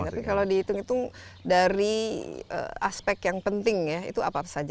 tapi kalau dihitung hitung dari aspek yang penting ya itu apa saja